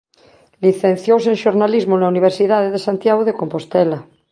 Licenciouse en Xornalismo na Universidade de Santiago de Compostela.